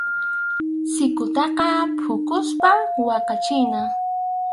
Sikutaqa phukuspa waqachina.